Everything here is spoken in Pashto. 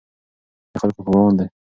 د خلکو په وړاندې.